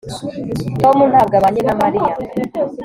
tom ntabwo abanye na mariya